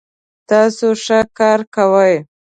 تاسو ښه کار کوئ